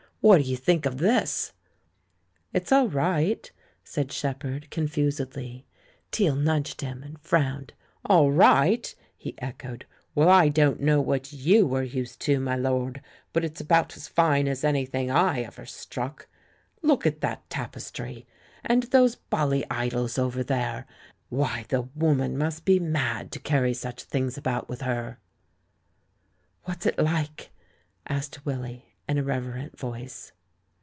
"What do you think of this?" "It's all right," said Shepherd, confusedly. THE LAURELS AND THE LADY 109 Teale nudged him and frowned. " 'All right' ?" he echoed. "Well, I don't know what you were used to, my lord, but it's about as fine as anything I ever struck. Look at that tapestry, and those bally idols over there, and — why, the woman must be mad to carry such things about with her!" "What's it like?" asked Willy in a reverent voice.